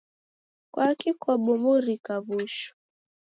Kwaki kwabuburika w'ushu?